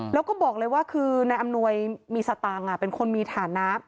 แล้วก็บอกเลยว่าคือนายอำนวยมีสตางค์เป็นคนมีฐานะ